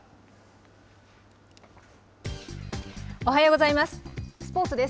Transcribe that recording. おはようございます。